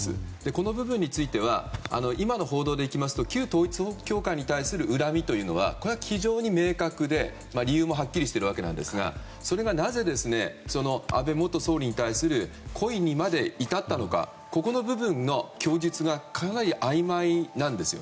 この部分については今の報道でいきますと旧統一教会に対する恨みは理由もはっきりしていますがそれがなぜ安倍元首相に対する故意にまで至ったのかここの部分の供述がかなりあいまいなんです。